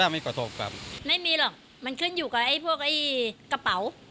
ไม่มีหรอกมันขึ้นอยู่กับกระเป๋า